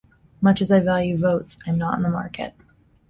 Much as I value votes I am not in the market.